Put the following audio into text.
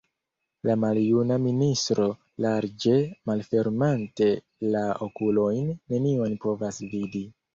La maljuna ministro, larĝe malfermante la okulojn, nenion povas vidi!